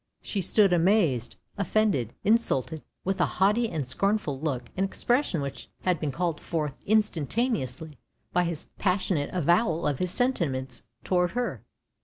She stood amazed, offended, insulted, with a haughty and scornful look, an expression which had been called forth instan taneously by his passionate avowal of his sentiments towards her.